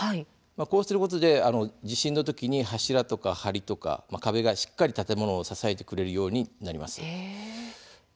こうすると地震の時に柱とか梁、壁がしっかり建物を支えてくれるようになります。